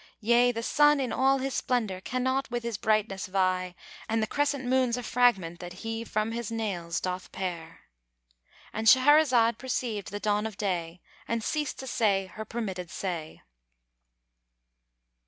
Yea, the sun in all his splendour cannot with his brightness vie And the crescent moon's a fragment that he from his nails doth pare." —And Shahrazad perceived the dawn of day and ceased to say her permitted say.